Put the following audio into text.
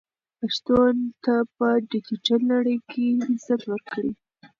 پښتو ته په ډیجیټل نړۍ کې عزت ورکړئ.